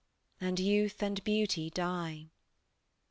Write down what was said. And youth and beauty die.